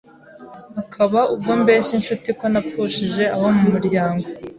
hakaba ubwo mbeshya inshuti ko napfushije abo mu muryango